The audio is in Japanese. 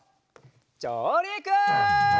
じょうりく！